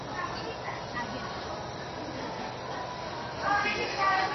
კოშკი ნაგებია ფიქალითა და ფლეთილი ქვით.